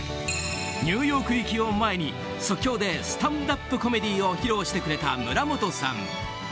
ニューヨーク行きを前に即興でスタンダップコメディーを披露してくれた村本さん。